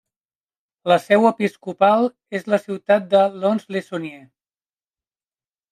La seu episcopal és la ciutat de Lons-le-Saunier.